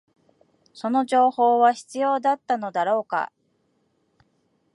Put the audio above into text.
その情報は必要だったのだろうか